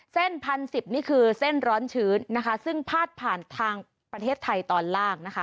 เส้น๑๐๑๐นี่คือเส้นร้อนชื้นนะคะซึ่งพาดผ่านทางประเทศไทยตอนล่างนะคะ